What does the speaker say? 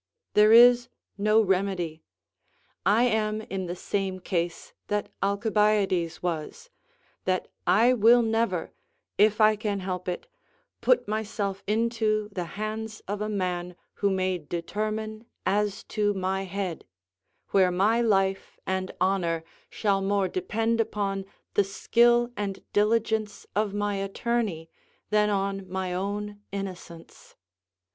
There is no remedy: I am in the same case that Alcibiades was, that I will never, if I can help it, put myself into the hands of a man who may determine as to my head, where my life and honour shall more depend upon the skill and diligence of my attorney than on my own innocence.